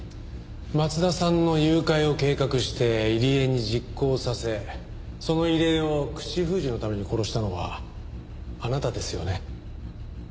松田さんの誘拐を計画して入江に実行させその入江を口封じのために殺したのはあなたですよね？